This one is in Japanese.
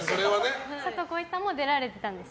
佐藤浩市さんも出られてたんです。